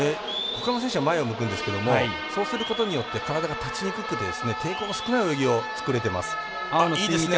ほかの選手は前を向くんですけどもそうすることによって体が立ちにくくて抵抗が少ない泳ぎを作れてます。